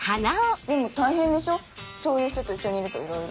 でも大変でしょそういう人と一緒にいるといろいろ。